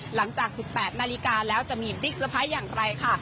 หลังจาก๑๘นาฬิกาแล้วจะมีบิ๊กเซอร์ไพรส์อย่างไรค่ะ